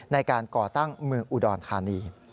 ในการก่อตั้งมืออุดรธานี